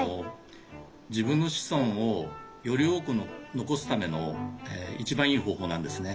自分の子孫をより多く残すための一番いい方法なんですね。